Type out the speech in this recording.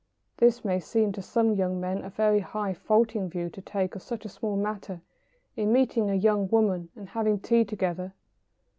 This may seem to some young men a very "high falutin'" view to take of such a small matter as meeting a young woman and having tea together.